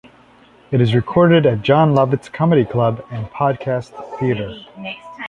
It is recorded at Jon Lovitz Comedy Club and Podcast Theatre.